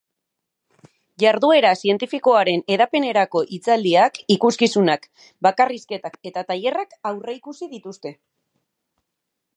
Jarduera zientifikoaren hedapenerako hitzaldiak, ikuskizunak, bakarrizketak eta tailerrak aurreikusi dituzte.